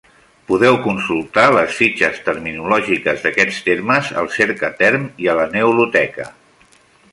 Podeu consultar les fitxes terminològiques d’aquests termes al Cercaterm i a la Neoloteca.